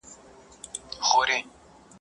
o د عقل وږی نسته، د دنيا موړ نسته.